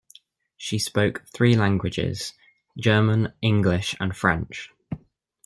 She spoke three languages: German, English, and French.